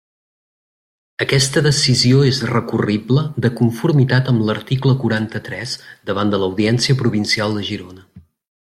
Aquesta decisió és recurrible, de conformitat amb l'article quaranta-tres, davant de l'Audiència Provincial de Girona.